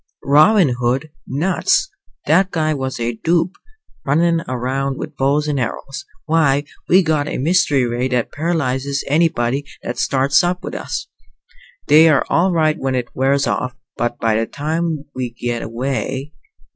"Robin Hood nuts! That guy was a dope! Runnin' around with bows and arrows. Why, we got a mystery ray that paralyzes anybody that starts up with us. They're all right when it wears off, but by that time we get away."